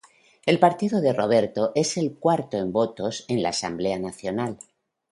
El partido de Roberto es el cuarto en votos en la Asamblea Nacional.